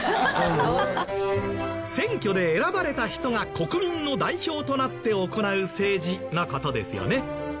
選挙で選ばれた人が国民の代表となって行う政治の事ですよね。